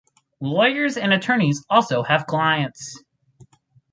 Lawyers and attorneys also have clients.